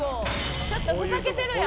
ちょっとふざけてるやん。